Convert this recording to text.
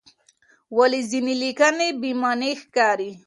ولې ځینې لیکنې بې معنی ښکاري؟